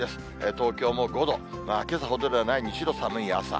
東京も５度、けさほどではないにしろ、寒い朝。